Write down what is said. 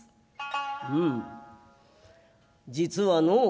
「うんじつはのう